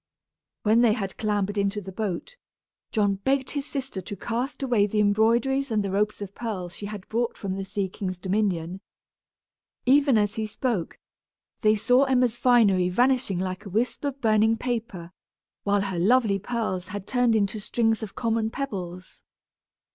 When they had clambered into the boat, John begged his sister to cast away the embroideries and the ropes of pearl she had brought from the sea king's dominion. Even as he spoke, they saw Emma's finery vanishing like a wisp of burnt paper, while her lovely pearls had turned into strings of common pebbles.